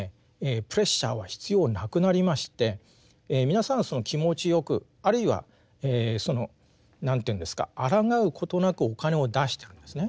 プレッシャーは必要なくなりまして皆さん気持ちよくあるいはその何ていうんですかあらがうことなくお金を出してるんですね。